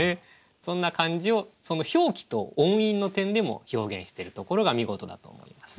そんな感じを表記と音韻の点でも表現してるところが見事だと思います。